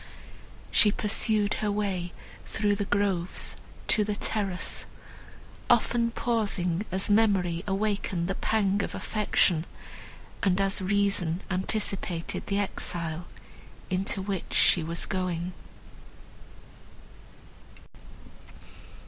She pursued her way through the groves to the terrace, often pausing as memory awakened the pang of affection, and as reason anticipated the exile, into which she was going.